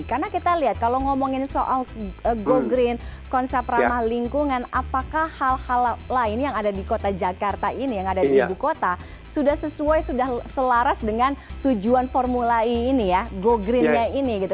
karena kita lihat kalau ngomongin soal go green konsep ramah lingkungan apakah hal hal lain yang ada di kota jakarta ini yang ada di ibu kota sudah sesuai sudah selaras dengan tujuan formula e ini ya go greennya ini gitu